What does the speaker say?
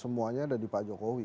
semuanya ada di pak jokowi